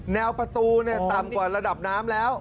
แนวประตูต่ำกว่าระดับน้ำแล้ว